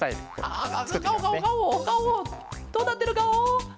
どうなってるガオ？